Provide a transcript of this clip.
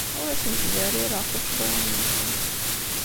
Ur asen-ttderrireɣ tuccḍiwin-nsen.